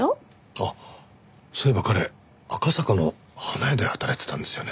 あっそういえば彼赤坂の花屋で働いてたんですよね？